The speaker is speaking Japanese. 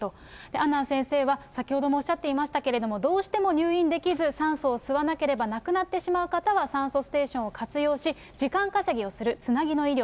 阿南先生は、先ほどもおっしゃっていましたけれども、どうしても入院できず、酸素を吸わなければ亡くなってしまう方は、酸素ステーションを活用し、時間稼ぎをする、つなぎの医療。